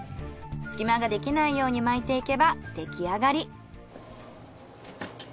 隙間ができないように巻いていけば出来上がり。